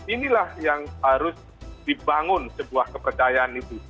inilah yang harus dibangun sebuah kepercayaan itu